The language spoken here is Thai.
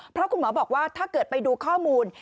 เพราะคุณหมอบอกว่าถ้าเกิดไปดูข้อมูล